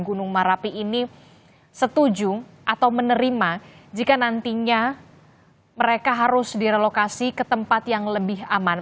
gunung merapi ini setuju atau menerima jika nantinya mereka harus direlokasi ke tempat yang lebih aman